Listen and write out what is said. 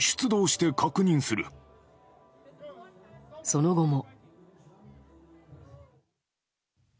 その後も。